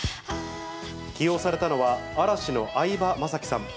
起用されたのは、嵐の相葉雅紀さん。